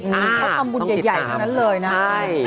นี่เขาทำบุญใหญ่เท่านั้นเลยนะใช่